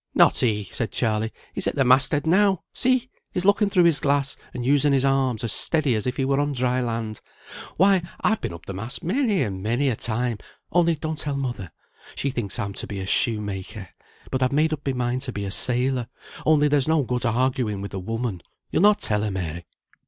"Not he!" said Charley. "He's at the mast head now. See! he's looking through his glass, and using his arms as steady as if he were on dry land. Why, I've been up the mast, many and many a time; only don't tell mother. She thinks I'm to be a shoemaker, but I've made up my mind to be a sailor; only there's no good arguing with a woman. You'll not tell her, Mary?"